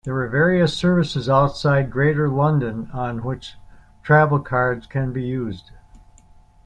There are various services outside Greater London on which Travelcards can be used.